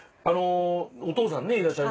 あのお父さんねいら